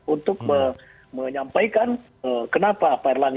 untuk menyampaikan kenapa payarlangga